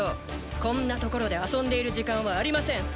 こんなところで遊んでいる時間はありません。